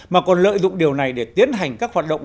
mà còn lợi dụng điều này để tiến hành các hoạt động